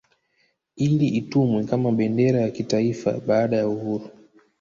Ili itumiwe kama bendera ya kitaifa baada ya uhuru